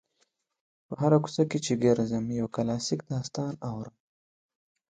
په هره کوڅه کې چې ګرځم یو کلاسیک داستان اورم.